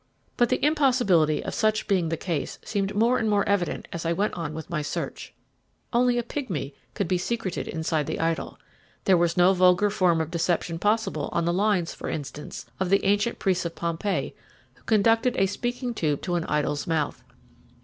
But the impossibility of such being the case seemed more and more evident as I went on with my search. Only a pigmy could be secreted inside the idol. There was no vulgar form of deception possible on the lines, for instance, of the ancient priests of Pompeii who conducted a speaking tube to an idol's mouth.